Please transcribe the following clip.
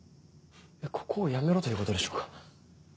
ここを辞めろということでしょうか？